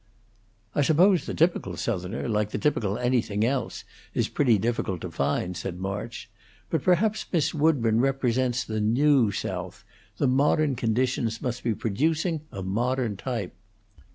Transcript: "I suppose the typical Southerner, like the typical anything else, is pretty difficult to find," said March. "But perhaps Miss Woodburn represents the new South. The modern conditions must be producing a modern type."